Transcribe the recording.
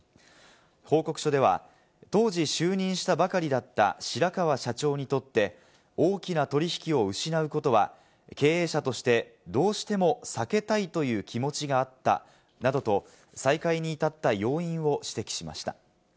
報告書では、同時就任したばかりだった白川社長にとって大きな取引を失うことは経営者としてどうしても避けたいという気持ちがあったなどと、再開に至った要因を指摘しました。